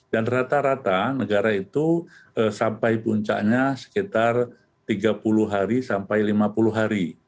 dan rata rata negara itu sampai puncaknya sekitar tiga puluh hari sampai lima puluh hari